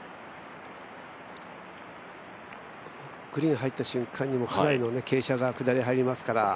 グリーンに入った瞬間にかなりの傾斜が下り、入りますから。